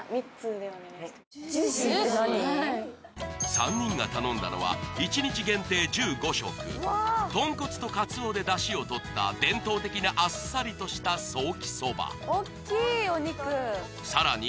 ３人が頼んだのは一日限定１５食豚骨とカツオでダシを取った伝統的なあっさりとしたソーキそばさらに